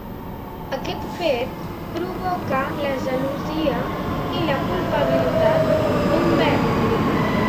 Aquest fet provoca la gelosia i la culpabilitat d'Humbert.